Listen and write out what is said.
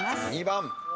２番。